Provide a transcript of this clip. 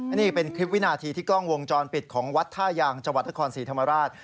อันนี้เป็นคลิปวินาทีที่กล้องวงจรปิดของวัดท่ายางจังหวัดนครศรีธรรมราช